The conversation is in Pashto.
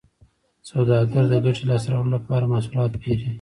سوداګر د ګټې لاسته راوړلو لپاره محصولات پېري